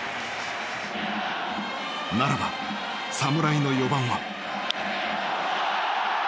ならば侍の４番は。